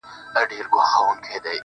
پر نوزادو ارمانونو، د سکروټو باران وينې,